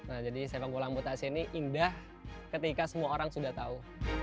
nah jadi sepak bola amputasi ini indah ketika semua orang sudah tahu